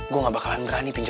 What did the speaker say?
gue gak bakalan menangin lo ya